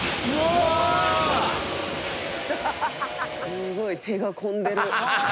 すごい手が込んでる。